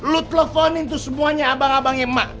lut teleponin tuh semuanya abang abangnya emak